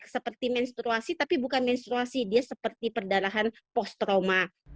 seperti menstruasi tapi bukan menstruasi dia seperti perdarahan post trauma